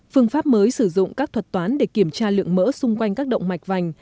phương pháp mới sử dụng các thuật toán để kiểm tra lượng mỡ xung quanh các động mạch vành